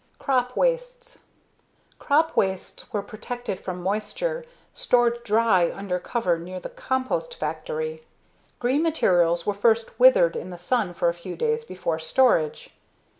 Crop Wastes Crop wastes were protected from moisture, stored dry under cover near the compost factory. Green materials were first withered in the sun for a few days before storage.